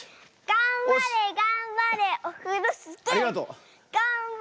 がんばれがんばれオフロスキー！